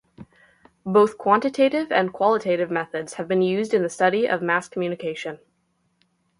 Both quantitative and qualitative methods have been used in the study of mass communication.